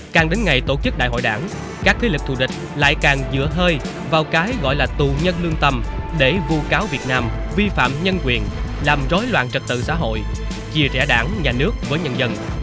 càng đến ngày tổ chức đại hội đảng các thế lực thù địch lại càng dựa hơi vào cái gọi là tù nhân lương tâm để vu cáo việt nam vi phạm nhân quyền làm rối loạn trật tự xã hội chia rẽ đảng nhà nước với nhân dân